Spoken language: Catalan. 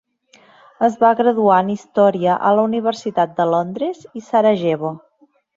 Es va graduar en història a la Universitat de Londres i Sarajevo.